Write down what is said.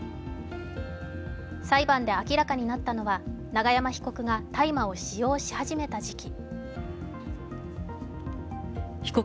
裁判で明らかになったのは永山被告が大麻を使用し始めた時期。